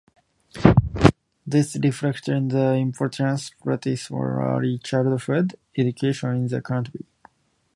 This reflects the importance placed on early childhood education in the country.